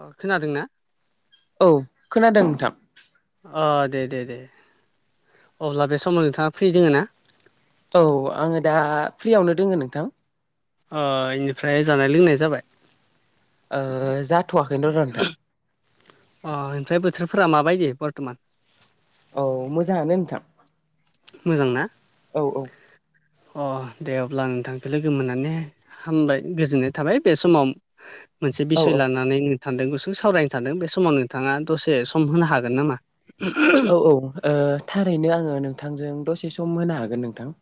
अ खोनादों ना? औ खोनादों नोंथां। अ दे दे दे अब्ला बे समाव नोंथाङा फ्रि दोङो ना? औ आङो दा फ्रियावनो दोङो नोंथां अ इनिफ्राय जानाय लोंनाया जाबाय ओ जाथ'वाखैथ' र' नोंथां। अ ओमफ्राय बोथोरफोरा माबायदि बरथ'मान औ मोजाङानो नोंथां। मोजां ना? औ औ अ दे अब्ला नोंथांखौ लोगो मोननानै हामबाय गोजोननाय थाबाय बे समाव मोनसे औ बिसय लानानैनो सान्दों गुसु सावरायनो सान्दों बे समाव नोंथाङा दसे सम होनो हागोन नामा? औ औ थारैनो आङो नोंथांजों दसे सम होनो हागोन नोंथां।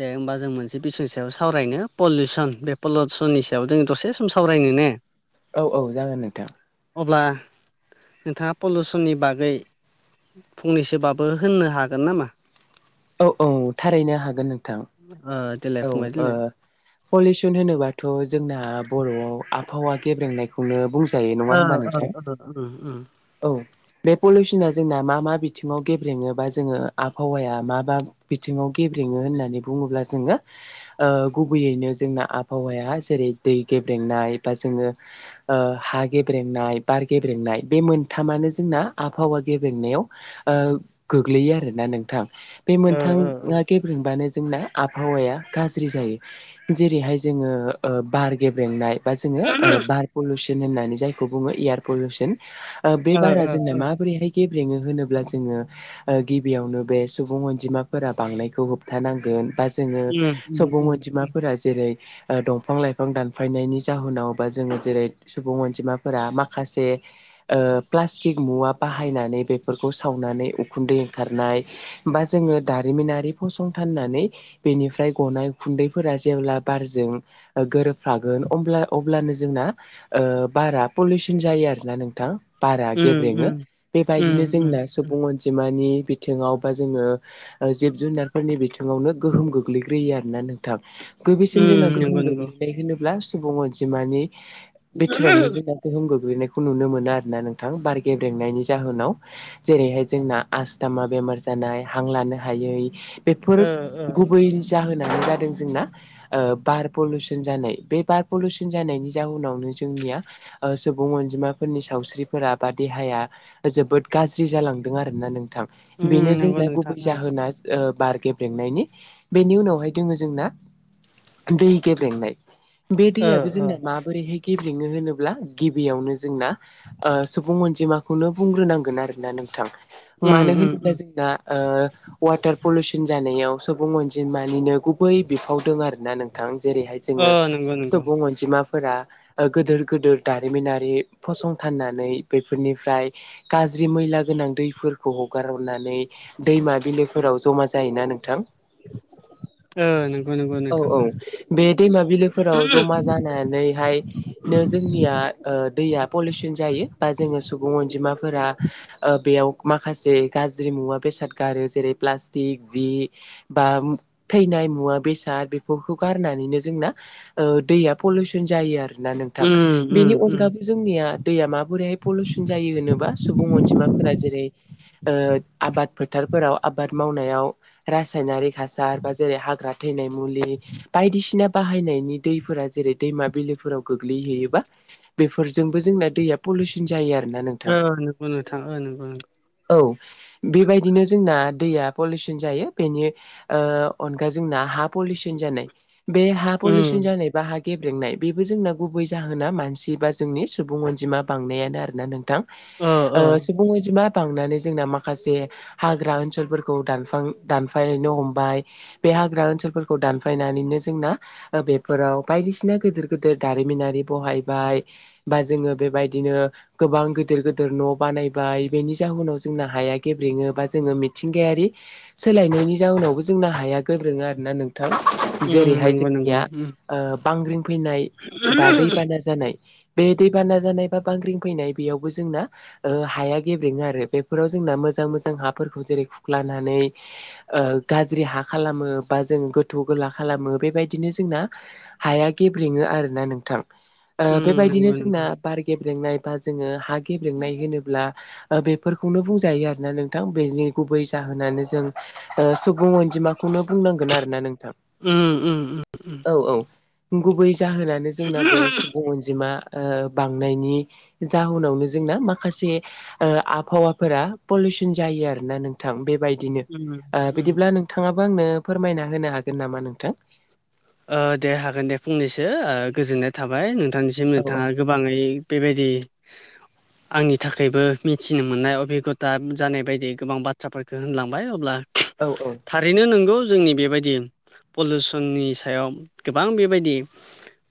दे होमबा जों मोनसे बिसयनि सायाव सावरायनो पलिउसन बे पलिउसननि सायाव जों दसे सम सावरायनो ने? [inaudible] औ औ जागोन नोंथां अब्ला नोंथाङा पलिउसननि बागै फंनैसोबाबो होननो हागोन नामा? औ औ थारैनो हागोन नोंथां ओ देलाय औ ओ फंबाय देलाय पलिउसन होनोबाथ' जोंना बर'आव आबहावा गेब्रेंनाय खौनो बुंजायो ओ नङा हबा नोंथां? ओ औ बे पलिउसना जोंना मा मा बिथिङाव गेब्रेङोबा जोङो आबहावाया माबा बिथिङाव गेब्रेङो होननानै बुङोब्ला जोङो गुबैयैनो जोंना आबहावाया जेरै दै गेब्रेंनाय बा जोङो ओ हा गेब्रेंनाय बार गेब्रेंनाय बे मोनथामानो जोंना आबहावा गेब्रेंनायाव ओ गोग्लैयो आरोना नोंथां बे मोनथाङा गेब्रेबानो जोंना आबहावाया गाज्रि जायो जेरैहाय जोङो ओ बार गेब्रेंनाय बा जोङो बार पलिउसन होननानै जायखौ बुङो एयार पलिउसन ओ बे बारा ओ जोंना ओ माबोरैहाय गेब्रेङो होनोब्ला जोङो गिबियावनो बे सुबुं अनजिमाफोरा बांनायखौ होबथानांगोन बा जोङो उम उम सुबुं उम अनजिमाफोरा जेरै ओ दंफां लाइफां दानफायनायनि जाहोनाव बा जोङो जेरै सुबुं अनजिमाफोरा माखासे ओ प्लास्टिक मुवा बाहायनानै बेफोरखौ सावनानै उखुन्दै ओंखारनाय बा जोङो दारिमिनारि फसंथाननानै बेनिफ्रा फ्राय गनाय खुन्दैफोरा जेब्ला बारजों गोरोबफागोन अब्ला अब्लानो जोंना ओ बारा पलिउसन जायो आरोना नोंथां। बारा उम गेब्रेङो उम बेबायदिनो उम उम जोंना सु बुं अनजिमानि बिथिङाव बा जोङो जिब जुनारफोरनि बिथिङावनो गोहोम गोहोम गोग्लैग्रोयो आरो ना नोंथां बसिन जोंना उम नंगौ गोहोम नंगौ गोग्लैनाय होनोब्ला सुबुं अनजिमानि बिथोरावनो जोंना गोहोम गोग्लैनायखौ नुनो मोनो आरो ना नोंथां बार गेब्रेंनायनि जाहोनाव जेरैहाय जोंना आस दामा बेमार जानाय हां लानो हायै बेफोर ओ ओ गुबै जाहोनानो जादों जोंना बार पलिउसन जानाय बे बार पलिउसन जानायनि जाउनावनो जोंनिया सुबुं अनजिमाफोरनि सावस्रिफोरा बा देहाया जोबोद गाज्रि जालां दों आरोना नोंथां उम बेनो नंगौ जोंना नोंथां गुबै ओं जाहोना ओ बार गेब्रेंनायनि बेनि उनावहाय दोङो जोंना दै गेब्लेंनाय बे ओ दैयाबो ओ जोंना मा बोरैहाय गेब्लेङो होनोब्ला गिबियावनो जोंना सुबुं अनजिमा खौनो बुंग्रोनांगोन आरोना नोंथां उम मानो उम होनोब्ला उम जोंना ओ वाटार पलुसन जानायाव सुबुं अनजिमानिनो गुबै बिफाव दं आरो ना नों जेरैहाय ओ जोङो नंगौ नंगौ सुबुं अनजिमाफोरा गोदोर गोदोर दारिमिनारि फसंथाननानै बेफोरनिफ्राय गाज्रि मैला गोनां दैफोरखौ हगारनानै दैमा बिलोफोराव जमा जायोना नोंथां ओ नंगौ नंगौ औ नोंथां औ ओ बे दैमा बिलोफोराव जमा जानानैहाय जोंनिया ओ दैया पलिउसन जायो बा जोङो सुबुं अनजिमाफोरा बेयाव माखासे गाज्रि मुवा बेसाद गारो जेरै प्लास्टिक जि बा थैनाय मुवा बेसाद बेफोरखौ गारनानैनो जोंना दैया पलिउसन जायो आरो ना नोंथां उम उम बेनि उम अनगाबो जोंनिया दैया मा बोरैहाय पलिउसन जायो होनोबा सुबुं अनजिमाफोरा जेरै आबाद फोथारफोराव आबाद मावनायाव रासायनारि हासार बा जेरै हाग्रा थैनाय मुलि बायदिसिना बाहायनायनि दैफोरा जेरै दैमा बिलोफोराव गोग्लैहैयोबा बेफोरजोंबो जोंना दैया पलिउसन जायो आरोना नों ओ नंगौ नोंथां ओ नंगौ नोंथां औ बेबायदिनो जोंना दैया पलिउसन जायो बेनि ओ अनगा जोंना हा पलिउसन जानाय बे हा उम पलिउसन जानाय बा गेब्रेंनाय बेबो जोंना गुबै जाहोना मानसि बा जोंनि सुबुं अनजिमा बांनायानो आरोना नोंथां ओ सुबुं अनजिमा बांनानै जोंना माखासे हाग्रा ओनसोलफोरखौ दानफां दानफायनो हम बे हाग्रा ओनसोलफोरखौ दानफायनानैनो जोंना बेफोराव बायदिसिना गिदिर गिदिर दारिमिनारि बहायबाय बा जोङो बेबायदिनो गोबां गिदिर गिदिर न' बानायबाय बेनि जाहोनाव जोंना हाया गेब्रेङो बा जोङो मिथिंगायारि सोलायनायनि जाहोनावबो जोंना हाया गोब्रेङो आरोना नोंथां उम जेरैहाय नंगौ नंगौ जोंनिया उम ओ बांग्रिं फैनाय बा दैबाना जानाय बे दैबाना जानाय बा बांग्रिं फैनाय बेयावबो जोंना ओ हाया गेब्रेङो आरो बेफोराव जोंना मोजां-मोजां हाफोरखौ जेरै खुख्लानानै ओ गाज्रि हा खालामो बा जों गोथौ गोला खालामो बेबायदिनो जोंना हाया गेब्रेङो आरोना नोंथां ओ उम बेबायदिनो नंगौ जोंना नंगौ बार गेब्रेंनाय बा जोङो हा गेब्रेंनाय होनोब्ला बेफोरखौनो बुंजायो आरोना नोंथां बेनि गुबै जाहोनानो जों ओ सुबुं अनजिमाखौनो बुंनांगोन आरोना नोंथां उम उम उम औ औ गुबै जाहोनानो जोंना बे अनजिमा ओ बांनायनि जाहोनावनो जोंना माखासे ओ आबहावाफोरा पलिउसन जायो आरो ना नोंथां बेबायदिनो उम ओ उम बिदिब्ला नोंथाङाबो आंनो फोरमायना होनो हागोन नामा नोंथां? दे हागोन दे फंनैसो गोजोननाय थाबाय नोंथांनिसिम औ नोंथाङा गोबाङै बेबायदि आंनि थाखायबो मिथिनो मोननायाव बेखौ दा जानाय बायदि गोबां बाथ्राफोरखौ होनलांबाय अब्ला औ औ। थारैनो नोंगौ जोंनि बेबायदि पलिउसननि सायाव गोबां बेबायदि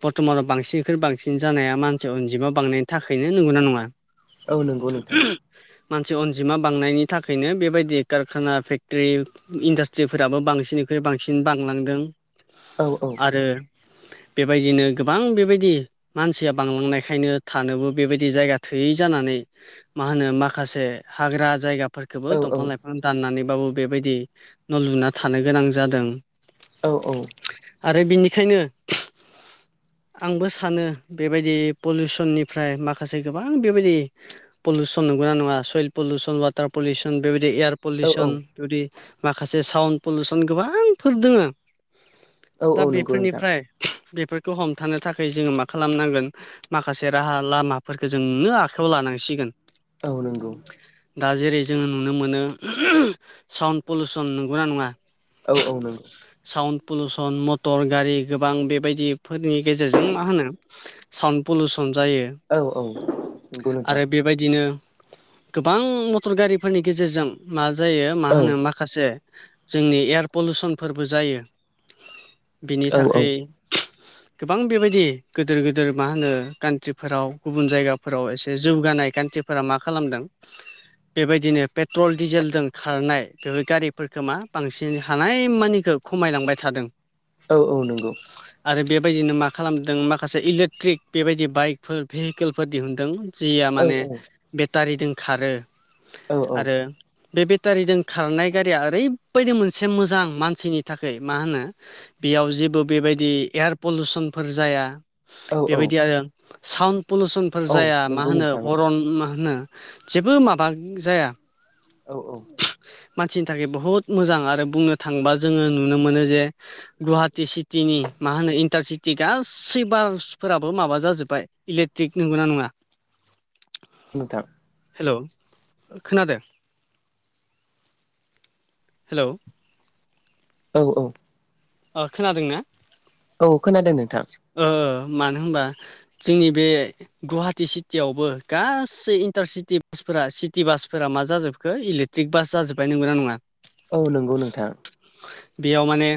बर्थमानाव बांसिनफ्राय बांसिन जानाया मानसि अनजिमा बांनायनि थाखायनो नोंगौना नङा? औ नंगौ नोंथां [unintelligible] मानसि अनजिमा बांनायनि थाखायनो बेबायदि कारखाना फेकट्रि इन्डासट्रिफोराबो बांसिननिफ्राय बांसिन बांलांदों। औ औ। आरो बेबायदिनो गोबां बेबायदि मानसिया बांलांनायखायनो थानोबो बेबायदि जायगा थोयै जानानै मा होनो माखासे हाग्रा जायगा फोरखौबो औ दंफां लाइफां दाननानैबाबो बेबायदि न' लुना थानो गोनां जादों। औ औ। आरो बिनिखायनो आंबो सानो बेबायदि पलुसननिफ्राय माखासे गोबां बेबायदि पलिउसन नंगौना नङा सयल पलिउसन वाटार पलिउसन बेबायदि एयार औ पलुसन औ जुदि माखासे साउन्ड पलुसन गोबांफोर दोङो। औ दा औ नंगौ नोंथां बेफोरनिफ्राय बेफोरखौ हमथानो थाखाय जोङो मा खालामनांगोन माखासे राहा लामाफोरखौ जोंनो आखायाव लानांसिगोन। औ नोंगौ। दा जेरै जोङो नुनो मोनो साउन्ड पलुउसन नंगौना नङा? औ औ नंगौ। साउन्ड पलुसन मटर गारि गोबां बेबायदिफोरनि गेजेरजों मा होनो साउन्ड पलुसन जायो औ औ नंगौ नोंथां आरो बेबायदिनो गोबां मटर गारिफोरनि गेजेरजों मा जायो मा औ होनो माख खासे जोंनि एयार पलुसनफोरबो जायो। बिनि औ औ थाखाय गोबां बेबायदि गोदोर गोदोर मा होनो कान्ट्रिफोराव गुबुन जायगाफोराव एसे जौगानाय कान्ट्रि फोरा मा खालामदों? बेबायदिनो पेट्रल डिजेलजों खारनाय बेफोर गारिफोरखो मा बांसिन हानाय मानिखौ खमायलांबाय थादों। औ औ नोंगौ। आरो बेबायदिनो मा खालामदों माखासे इलेक्ट्रिक बेबायदि बाइकफोर भेहिकेलफोर दिहुनदों। जिया औ माने बेटारिजों खारो औ आरो बे बेटारिजों खारनाय गारिया ओरैबायदि मोनसे मोजां मानसिनि थाखै। मा होनो बेयाव जेबो बेबायदि एयार पलुसनफोर जाया। औ बेबायदि आरो साउन्द पलुसनफोर औ जाया मा नंगौ होनो नोंथां औ हरन मा होनो? जेबो माबा जाया। औ औ। मानसिनि थाखाय बहद मोजां आरो बुंनो थांबा जोङो नुनो मोनो जे गुवाहाटि सिटिनि मा होनो इन्टारसिटि गासै बासफोराबो माबा जाजोब्बाय। इलेक्ट्रिक नोंगौना नङा? नोंथां। हेल' खोनादो? हेलौ। औ औ। अ' खोनादों ना? औ खोनादों नोंथां। ओ मानो होनबा जोंनि बे गुवाहाटि सिटियावबो गासै इन्टारसिटि बासफोरा सिटि बासफोरा मा जाजोबखो इलेक टिक बास जाजोब्बाय नंगौना नङा? औ नंगौ नोंथां। बेयाव माने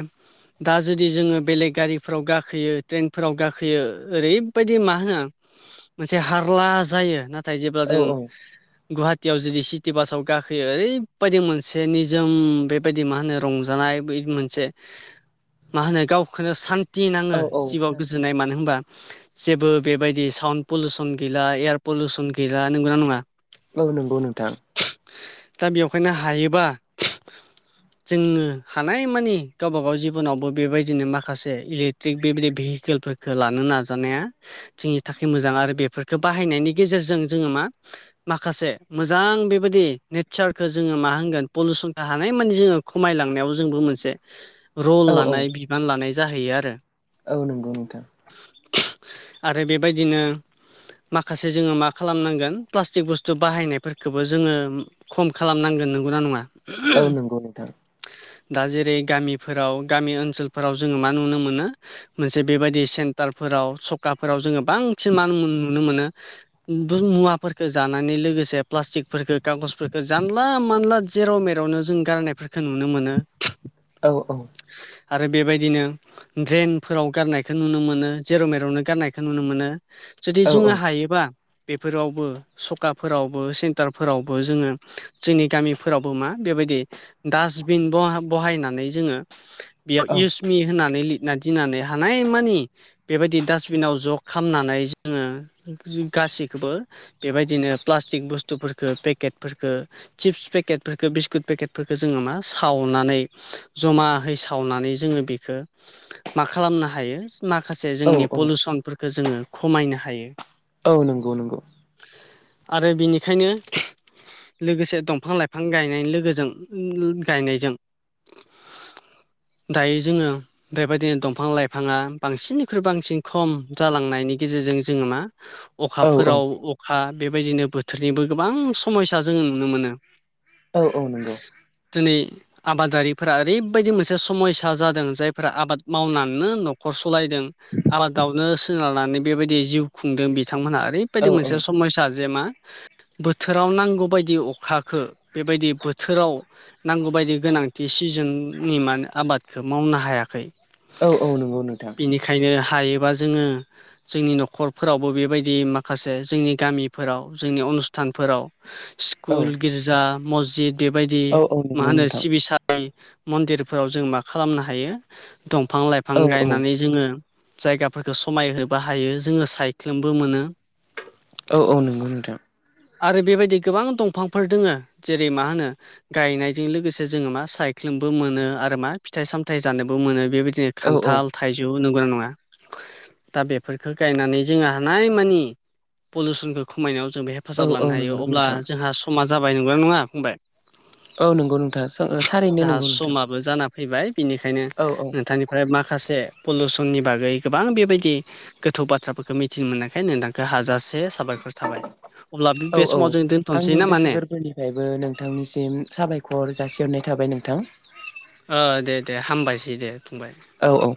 दा जुदि जोङो बेलेग गारिफ्राव गाखोयो। ट्रेनफोराव गाखोयो ओरैबायदि मा होनो मोनसे हारला जायो ना थाय जेब्ला औ जों औ गुवाहाटियाव जुदि सिटि बासाव गाखोयो ओरैबायदि मोनसे निजोम बेबायदि मा होनो रंजानाय बे मोनसे मा होनो गावखौनो सान्थि औ नाङो। औ जिउआव गोजोननाय मानो होनोबा जेबो बेबायदि सावन्द पलुसन गैला एयार पलसन गैला नंगौना नङा? औ नंगौ नोंथां। दा बेवहायनो हायोबा जोङो हानायमानि गावबा गाव जिबनावबो बेबायदिनो माखासे इलेक्ट्रिक बेबायदि भिहिकेलफोरखो लानो नाजानाया जोंनि थाखाय मोजां आरो बेफोरफोरखो बाहायनायनि गेजेरजों जोङो मा? माखासे मोजां बेबायदि नेटसारखो जोङो मा होनगोन पलुसनखो हानाय मानि जोङो खमायलांनायाव जोंबो मोनसे रल औ औ लानाय बिबान लानाय जाहैयो आरो। औ नंगौ नोंथां। आरो बेबायदिनो माखासे जोङो मा खालामनांगोन प्लास्टिक बुस्थु बाहायनायफोरखोबो जोङो खम खालाम नांगोन नंगौना नङा? औ नंगौ नोंथां दा जेरै गामिफोराव गामि ओनसोलफोराव जोङो मा नुनो मोनो? मोनसे बेबायदि सेन्टारफोराव सखाफोराव जोङो बांसिन मा नुनो मोनो? [unintelligible] मुवाफोरफोरखौ जानानै लोगोसे प्लास्टिकफोरखो कागजफोरखो जानला मानला जेराव मेरावनो जों गारनायफोरखो नुनो मोनो। औ औ। आरो बेबायदिनो ड्रेनफोराव गारनायखो नुनो मोनो जेराव मेरावनो गारनायखौ नुनो मोनो। जुदि औ जोङो हायोबा बेफोरावबो सखाफोरावबो सेन्टारफोरावबो जोङो जोंनि गामिफोरावबो मा बेबायदि डासटबिन बहा-बहायनानै जोङो बेयाव औ इउस मि होनानै लिर ना दिननानै हानाय मानि बेबायदि डासटबिनाव ज' खामनानै जोङो गासैखौबो बेबायदिनो प्लास्टिक बुस्थुफोरफोरखौ पेकेटफोरफोरखौ चिप्स पेकेटफोरखौ बिस्कुट पेकेटफोरखौ जोङो मा सावनानै जमाहै सा सावनानै जोङो बेखो मा खालामनो हायो माखासे औ जोंनि औ पलुसनफोर खो जोङो खमायनो हायो। औ नंगौ नंगौ। आरो बेनिखायनो लोगोसे दंफां-लाइफां गायनायनि लोगोजों गायनायजों दायो जोङो बेबायदिनो दंफां लाइफाङा बांसिननिख्रुइ बांसिन खम जालांनायनि गेजेरजों जोङो मा औ औ अखाफोराव अखा बेबायदिनो बोथोरनिबो गोबां समायसा जोङो नुनो मोनो। औ औ नंगौ। दिनै आबादारिफोरा ओरैबायदि मोनसे समयसा जादों जाय फोरा आबाद मावनानैनो न'खर सालायदों आबादावनो सोनारनानै बेबायदि जिउ खुंदों बिथांमोनहा औ ओरैबायदि मोनसे समयसा जे मा बोथोराव नांगौ बायदि अखाखो बेबायदि बोथोराव नांगौ बायदि गोनांथि सिजोननि मान आबादखौ मावनो हायाखै। औ औ नंगौ नोंथां। बिनिखायनो हायोबा जोङो जोंनि न'खरफोरावबो बेबायदि माखासे जोंनि गामिफोराव जोंनि अनुस्थानफोराव औ स्कुल गिर्जा मसजिद बेबायदि औ औ मा नंगौ होनो? नोंथां सिबिसा [unintelligible] मन्दिरफोराव जों मा खालामनो हायो दंफां-लाइफां औ औ गायनानै जोङो जायगाफोरखौ समायहोनोबो हायो जोङो सायख्लुमबो मोनो। औ-औ नंगौ नोंथां। आरो बेबायदि गोबां दंफांफोर दोङो जेरै मा होनो? गायनायजों लोगोसे जोङो मा सायख्लुमबो मोनो आरो मा? फिथाइ सामथाय जानोबो बो मोनो बेबायदिनो औ औ खान्थाल थाइजौ नंगौना नङा? दा बेफोरखौ गायनानै जोङो हानायमानि पलुसनखौ खमायनायाव जों बेहाय औ हेफाजाब औ लानो हायो नंगौ अब्ला नोंथां जोंहा समा जाबाय नंगो ना नङा फंबाय? औ नंगौ नोंथां थारैनो नोंगौ नोंथां। बो जाना फैबाय बिनिखायनो औ-औ। नोंथांनिफ्राय माखासे पलिलसननि बागै गोबां बेबायदि गोथौ बाथ्राफोरखौ मिथिनो मोननायखाय नोंथांखौ हाजासे साबाय खर थाबाय अब्ला बे समाव जों दोनथ'नोसै ना मा ने? ओमफ्रायबो नोंथांनिसिम साबायखर जासिहरनाय थाबाय नोंथां। ओ दे-दे हामबायसै दे फंबाय। औ-औ।